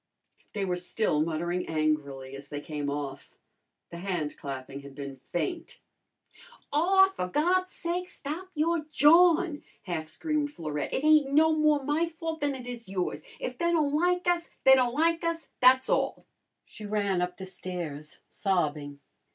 They were still muttering angrily as they came off. The handclapping had been faint. "Aw, for God's sake, stop your jawin'!" half screamed Florette. "It ain't no more my fault than it is yours. If they don' like us they don' like us, tha's all." She ran up the stairs, sobbing.